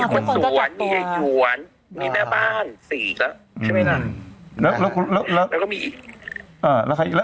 โอ้วก็คนก็ตัดตัวมีมีคุณสวนมีเองหยวนมีแม่บ้าน๔แล้วใช่ไหมนะ